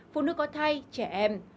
phụ nữ có thai trẻ em